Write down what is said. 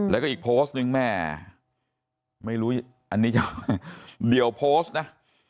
แล้วก็อีกโพสต์นึงแม่ไม่รู้อันนี้จะเดี่ยวโพสต์นะ